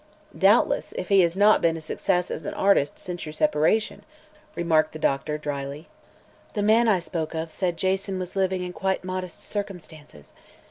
"Doubtless, if he has not been a success as an artist since your separation," remarked the doctor, drily. "The man I spoke of said Jason was living in quite modest circumstances.